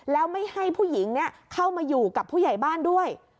แล้วไม่ให้ผู้หญิงเข้ามาอยู่กับผู้ใหญ่บ้านด้วย